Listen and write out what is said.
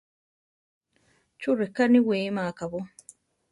¿Chú reká niwíma akabó?